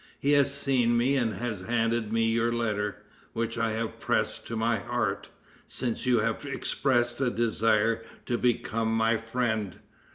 He has seen me and has handed me your letter, which I have pressed to my heart, since you have expressed a desire to become my friend.